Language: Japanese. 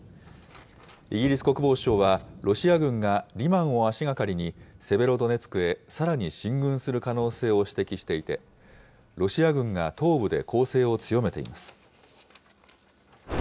イギリス国防省は、ロシア軍がリマンを足がかりに、セベロドネツクへさらに進軍する可能性を指摘していて、ロシア軍が東部で攻勢を強めています。